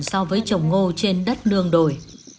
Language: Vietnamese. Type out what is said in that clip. so với trồng ngô trên đất nương đổi